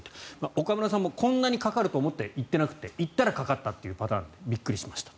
岡村さんもこんなにかかると思って行ってなくて行ったらかかったというパターンびっくりしました。